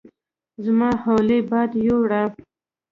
زما حولی باد ويوړه